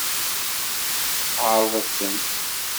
Ɛeṛḍet-ten.